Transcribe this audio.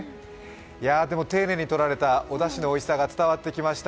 でも、丁寧に取られたおだしのおいしさが伝わってきました。